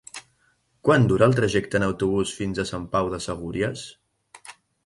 Quant dura el trajecte en autobús fins a Sant Pau de Segúries?